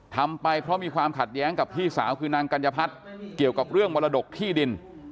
ทำไปเพราะมีความขัดแย้งกับพี่สาวคือนางกัญญพัฒน์เกี่ยวกับเรื่องมรดกที่ดิน